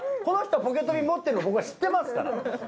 この人ポケット瓶持ってるのは僕は知ってますから。